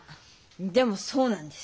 でもそうなんです。